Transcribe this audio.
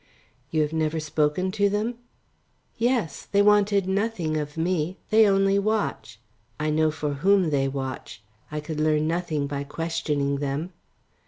"You have never spoken to them?" "Yes! They wanted nothing of me. They only watch. I know for whom they watch. I could learn nothing by questioning them."